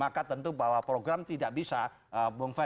maka tentu bahwa program tidak bisa berubah